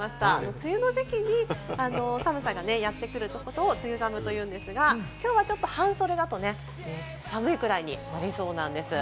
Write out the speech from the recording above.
梅雨の時期に寒さがやってくることを梅雨寒って言うんですが、きょうは半袖だとね寒いくらいになりそうなんです。